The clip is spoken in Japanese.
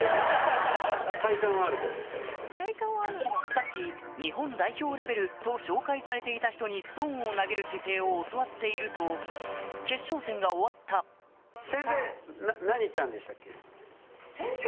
さっき「日本代表レベル」と紹介されていた人にストーンを投げる姿勢を教わっていると決勝戦が終わったはい。